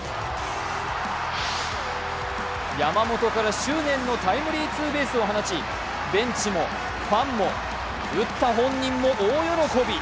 山本から執念のタイムリーツーベースを放ちベンチもファンも打った本人も大喜び。